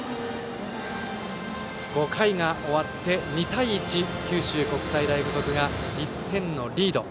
５回が終わって、２対１と九州国際大付属が１点のリード。